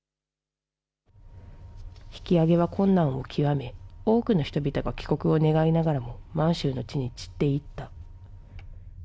引き揚げは困難を極め、多くの人々が帰国を願いながらも、満州の地に散っていった。